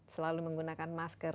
selalu menggunakan masker